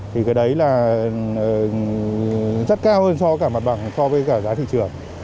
thì cái đấy là rất cao hơn so với cả mặt bằng so với cả giá thị trường